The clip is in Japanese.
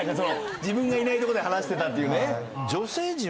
自分がいないとこで話してたっていうね。